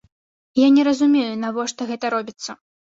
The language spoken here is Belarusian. Я не разумею, навошта гэта робіцца.